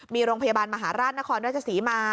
มีโรงพยาบาลมหาราชนครราชศรีมา